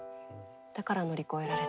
だから乗り越えられた。